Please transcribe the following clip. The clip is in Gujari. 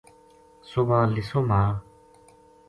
صبح لِسو مال